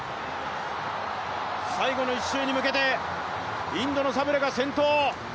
最後の１周に向けてインドのサブレが先頭。